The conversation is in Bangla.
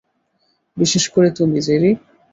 বিশেষ করে তুমি, জেরি।